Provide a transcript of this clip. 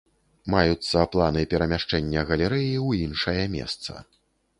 Маюцца планы перамяшчэння галерэі ў іншае месца.